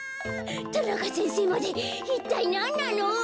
田中先生までいったいなんなの？